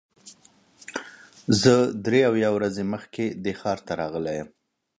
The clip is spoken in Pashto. زه درې اویا ورځې مخکې دې ښار ته راغلی یم.